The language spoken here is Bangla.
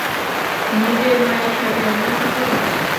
নিজের মায়ের সাথে এমন আচরণ।